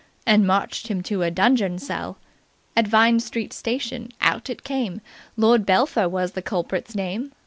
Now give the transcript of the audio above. and marched him to a dungeon cell. At Vine Street Station out it came Lord Belpher was the culprit's name.